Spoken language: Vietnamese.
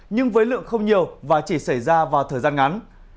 nhưng với lượng không nhiều và chỉ xảy ra vào thời gian ngắn